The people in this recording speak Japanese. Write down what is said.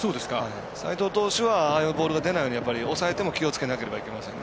齋藤投手はああいうボールが出ないように抑えても気をつけなければいけません。